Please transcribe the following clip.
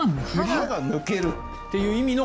「歯が抜ける」？っていう意味の漢字？